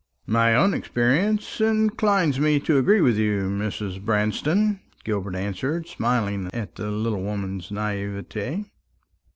"My own experience inclines me to agree with you, Mrs. Branston," Gilbert answered, smiling at the little woman's naïveté.